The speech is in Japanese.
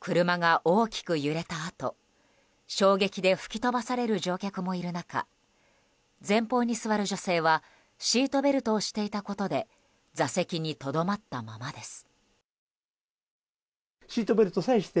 車が大きく揺れたあと、衝撃で吹き飛ばされる乗客もいる中前方に座る女性はシートベルトをしていたことで座席にとどまったままです。